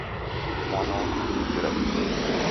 Mwana wakufunikira bula.